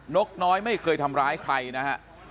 กน้อยไม่เคยทำร้ายใครนะฮะ